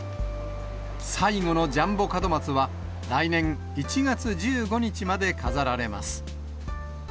最後のジャンボ門松は、来年１月１５日まで飾られます。